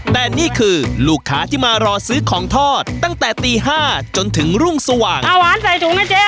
แต่นี่คือลูกค้าที่มารอซื้อของทอดตั้งแต่ตีห้าจนถึงรุ่งสว่างอ่าหวานใส่ถุงนะเจ๊